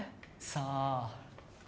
さあ！？